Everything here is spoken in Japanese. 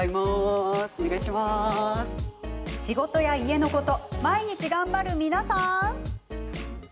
仕事や家のこと毎日、頑張る皆さん。